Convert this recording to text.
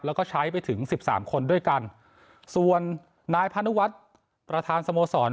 แล้วก็ใช้ไปถึงสิบสามคนด้วยกันส่วนนายพานุวัฒน์ประธานสโมสร